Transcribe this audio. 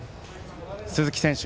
鈴木選手